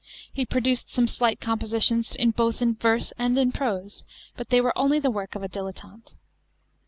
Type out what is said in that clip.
He produced some slight com positions both in verse and in prose, but they were only the work of a dilettante.